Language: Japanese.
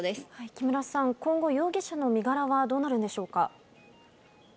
木村さん、今後、容疑者の身柄はどうなるのでしょうか。